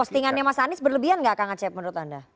postingannya mas anies berlebihan nggak kak ngecep menurut anda